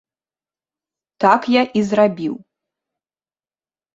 Так я і зрабіў.